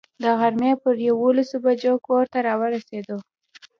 د غرمې پر یوولسو بجو کور ته را ورسېدو.